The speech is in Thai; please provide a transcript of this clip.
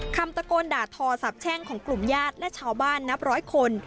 คำตะโกนด่าทอสาบแช่งของกลุ่มญาติและชาวบ้านนับร้อยคน